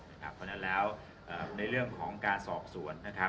เพราะฉะนั้นแล้วในเรื่องของการสอบสวนนะครับ